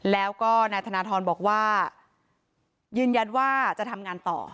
แล้วก็นายธนทรบอกว่ายืนยันว่าจะทำงานต่อ